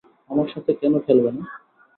আমার সাথে কেন খেলবে না?